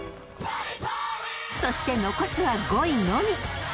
［そして残すは５位のみ］